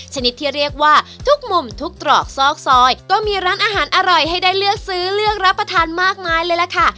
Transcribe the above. ชนิดที่เรียกว่าทุกมุมทุกตรอกซอกซอยก็มีร้านอาหารอร่อยให้ได้เลือกซื้อเลือกรับประทานมากมายเลยล่ะค่ะ